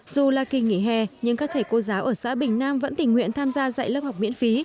dù là kỳ nghỉ hè nhưng các thầy cô giáo ở xã bình nam vẫn tình nguyện tham gia dạy lớp học miễn phí